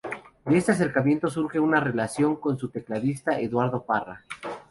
De este acercamiento surge una relación con su tecladista, Eduardo Parra.